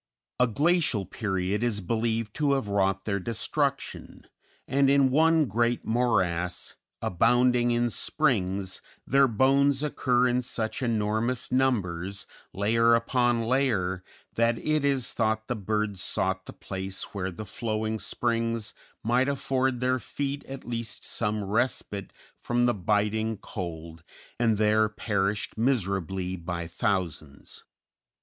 A glacial period is believed to have wrought their destruction, and in one great morass, abounding in springs, their bones occur in such enormous numbers, layer upon layer, that it is thought the birds sought the place where the flowing springs might afford their feet at least some respite from the biting cold, and there perished miserably by thousands.